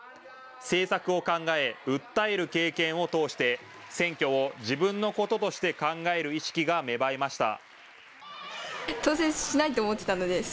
政策を考え、訴える経験を通して選挙を自分のこととして考える意識が芽生えました。